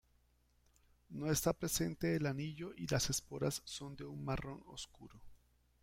No está presente el anillo y las esporas son de un marrón oscuro.